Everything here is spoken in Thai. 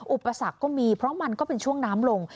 อุปสรรคก็มีเพราะมันก็เป็นช่วงน้ำลง